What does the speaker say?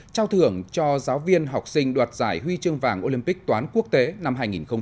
trao thưởng cho giáo viên học sinh đoạt giải huy chương vàng olympic toán quốc tế năm hai nghìn hai mươi